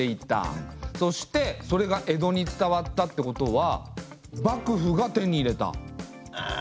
そしてそれが江戸に伝わったってことは幕府が手に入れた。